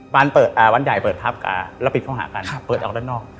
บานเปิดอ่าวันใหญ่เปิดพราบกับหรือมันจะเป็นออกด้านนอก